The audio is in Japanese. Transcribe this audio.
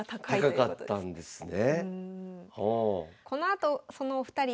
高かったんですね。